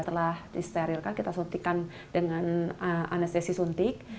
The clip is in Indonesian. telah disterilkan kita suntikan dengan anestesi suntik